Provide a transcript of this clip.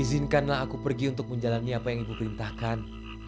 izin kan lah aku pergi untuk menjalani apa yang ibu perintahkan